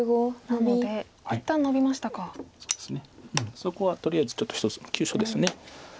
そこはとりあえずちょっと一つの急所です。